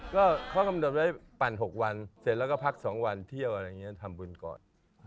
ก็เขากำหนดไว้ปั่น๖วันเสร็จแล้วก็พัก๒วันเที่ยวอะไรอย่างนี้ทำบุญก่อน